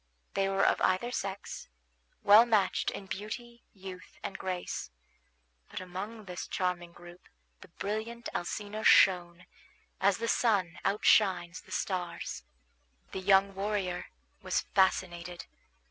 They were of either sex, well matched in beauty, youth, and grace; but among this charming group the brilliant Alcina shone, as the sun outshines the stars. The young warrior was fascinated.